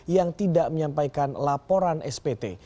yang tidak menyampaikan laporan spt